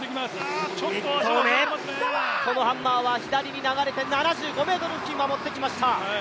そのハンマーは左に流れて、７５ｍ付近に投げてきました。